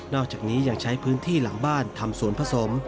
อกจากนี้ยังใช้พื้นที่หลังบ้านทำสวนผสม